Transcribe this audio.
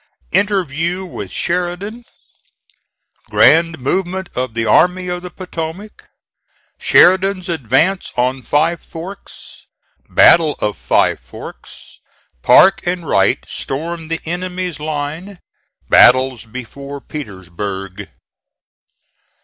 INTERVIEW WITH SHERIDAN GRAND MOVEMENT OF THE ARMY OF THE POTOMAC SHERIDAN'S ADVANCE ON FIVE FORKS BATTLE OF FIVE FORKS PARKE AND WRIGHT STORM THE ENEMY'S LINE BATTLES BEFORE PETERSBURG.